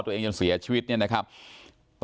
ส่วนเรื่องของเยาวชนชายวัน๑๖ปีที่ยิงพ่อตัวเองจนเสียชีวิต